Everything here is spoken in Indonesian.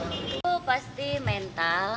dan tidak lupa ibu saya juga mendoakan